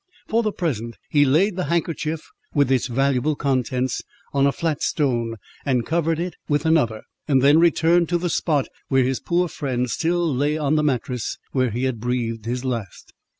For the present, he laid the handkerchief, with its valuable contents, on a flat stone, and covered it with another, and then returned to the spot where his poor friend still lay on the mattress, where he had breathed his last.